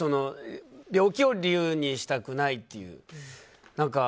病気を理由にしたくないという。